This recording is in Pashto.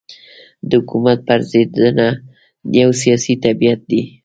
د حکومت پرځېدنه یو سیاسي طبیعت دی.